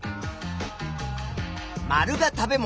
●が食べ物